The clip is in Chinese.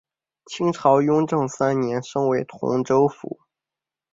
清朝雍正三年升为同州府。